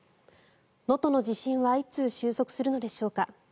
能登の地震はいつ収束するのでしょうか。